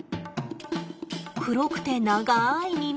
黒くて長い耳。